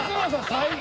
最高！